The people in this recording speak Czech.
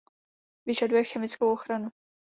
Vyžaduje chemickou ochranu.